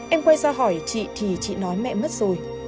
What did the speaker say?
em quay ra hỏi chị thì chị nói mẹ mất rồi